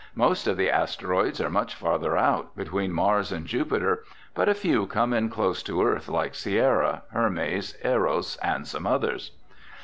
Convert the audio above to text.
"Most of the asteroids are much farther out, between Mars and Jupiter, but a few come in close to Earth like Sierra, Hermes, Eros and some others."